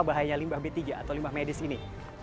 apa bahayanya limbah b tiga atau limbah medis ini